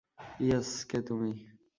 Yes, কে তুমি?